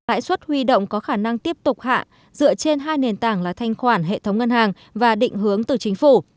lãi suất huy động có khả năng tiếp tục hạ dựa trên hai nền tảng là thanh khoản hệ thống ngân hàng và định hướng từ chính phủ